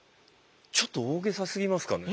ちょっと大げさすぎますかね。